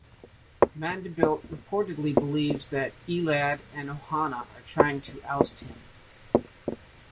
Mandelblit reportedly believes that Eldad and Ohana are trying to oust him.